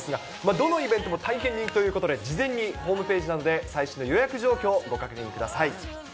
どのイベントも大変人気ということで、事前にホームページなどで最新の予約状況をご確認ください。